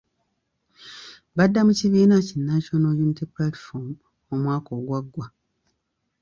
Badda mu kibiina ki National Unity Platform omwaka ogwagwa.